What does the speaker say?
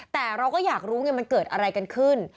แต่เราก็อยากรู้ไงมันเกิดอะไรกันขึ้น